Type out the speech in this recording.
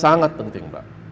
sangat penting mbak